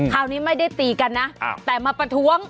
คราวนี้ไม่ได้ตีกันนะแต่มาประท้วง